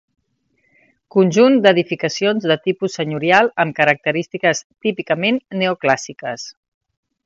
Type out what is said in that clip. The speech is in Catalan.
Conjunt d'edificacions de tipus senyorial amb característiques típicament neoclàssiques.